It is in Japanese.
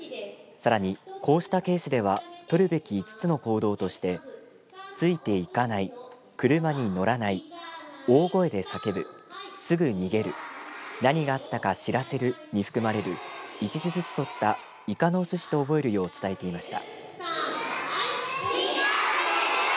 さらに、こうしたケースではとるべき５つの行動としてついていかない車にのらないおお声で叫ぶすぐ逃げる何があったかしらせるに含まれる１字ずつ取ったいかのおすしと覚えるよう伝えていました。